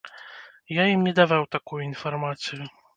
Я ім не даваў такую інфармацыю.